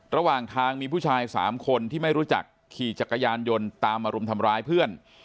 ระหว่างทางมีผู้ชาย๓คนที่ไม่รู้จักขี่จักรยานยนต์ตามมารุมทำร้ายเพื่อน